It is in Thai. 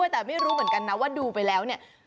แต่ไม่รู้เหมือนกันนะว่าดูไปแล้วเนี่ย